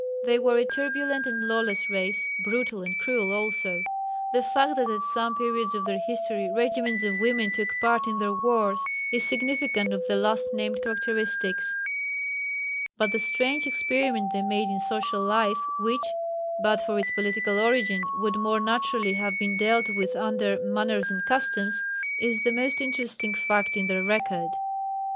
They were a turbulent and lawless race brutal and cruel also. The fact that at some periods of their history regiments of women took part in their wars is significant of the last named characteristics. But the strange experiment they made in social life which, but for its political origin, would more naturally have been dealt with under "manners and customs," is the most interesting fact in their record.